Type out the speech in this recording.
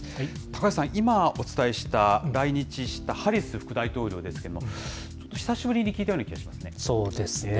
高橋さん、今お伝えした来日したハリス副大統領ですけれども、ちょっと久しぶりに聞いたような気がしますね。